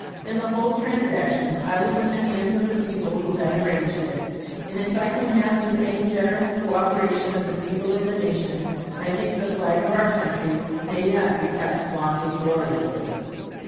In the whole transaction I was in the hands of the people who had arranged it, and if I can have the same generous cooperation of the people of the nation, I think the flag of our country may yet be kept flaunting gloriously.